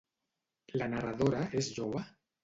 La narradora és jove?